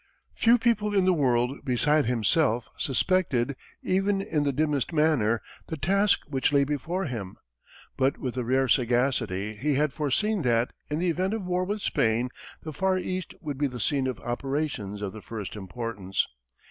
Few people in the world beside himself suspected, even in the dimmest manner, the task which lay before him; but with a rare sagacity, he had foreseen that, in the event of war with Spain, the far East would be the scene of operations of the first importance.